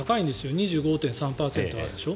２５．３％あるんでしょ。